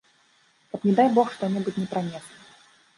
Каб не дай бог, што-небудзь не пранеслі.